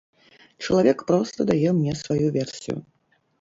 Чалавек проста дае мне сваю версію.